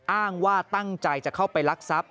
อ้างว่าตั้งใจจะเข้าไปลักทรัพย